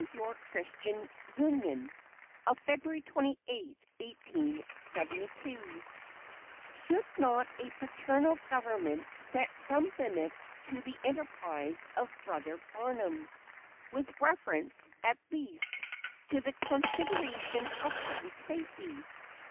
Y. Christian Union of Feb. 28th, 1872: "Should not a paternal government set some limit to the enterprise of Brother Barnum; with reference, at least, to the considerations of public safety?